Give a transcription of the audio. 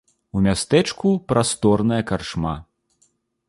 У мястэчку прасторная карчма.